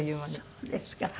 そうですか。